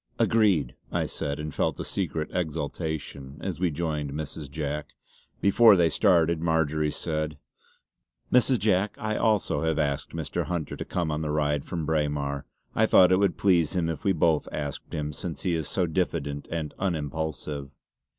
"Agreed!" I said and felt a secret exultation as we joined Mrs. Jack. Before they started Marjory said: "Mrs. Jack I also have asked Mr. Hunter to come on the ride from Braemar. I thought it would please him if we both asked him, since he is so diffident and unimpulsive!"